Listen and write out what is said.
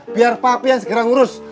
biar pak pian segera ngurus